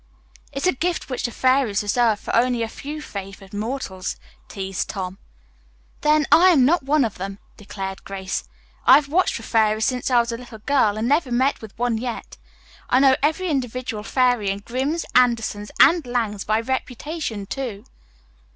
"It is a gift which the fairies reserve for only a few favored mortals," teased Tom. "Then I am not one of them," declared Grace. "I have watched for fairies since I was a little girl and never met with one yet. I know every individual fairy in Grimms', Andersen's and Lang's by reputation, too."